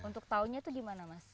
untuk tahunya itu gimana mas